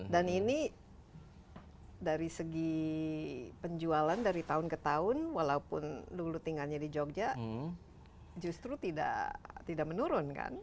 dan ini dari segi penjualan dari tahun ke tahun walaupun dulu tinggalnya di jogja justru tidak menurun kan